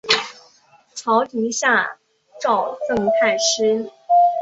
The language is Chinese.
朝廷下诏赠太师。